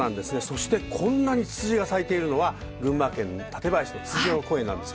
そして、こんなにツツジが咲いているのは群馬県の館林のつつじが岡公園です。